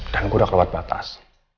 dan gue udah keluar batas